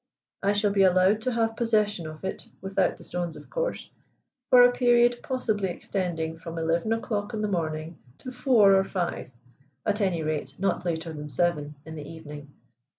I shall be allowed to have possession of it, without the stones of course, for a period possibly extending from eleven o'clock in the morning to four or five, at any rate not later than seven, in the evening.